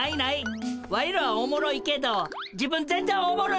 ワイらはおもろいけど自分ぜんぜんおもろないやん。